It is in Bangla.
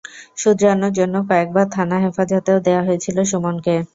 শুধরানোর জন্য কয়েক বার থানা হেফাজতেও দেওয়া হয়েছিল সুমনকে।